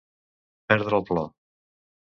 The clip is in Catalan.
Perdre el plor.